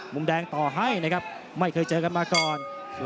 มุมแดงต่อให้นะครับไม่เคยเจอกันมาก่อน